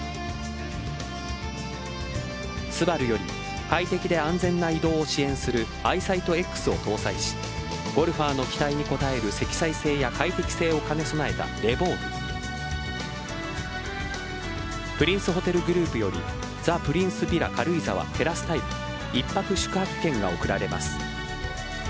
スバルより快適で安全な移動を支援するアイサイトＸを搭載しゴルファーの期待に応える積載性や快適性を兼ね備えたレヴォーグプリンスホテルグループよりザ・プリンスヴィラ軽井沢テラスタイプ一泊宿泊券が贈られます。